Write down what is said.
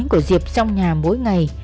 những cười nói của diệp trong nhà mỗi ngày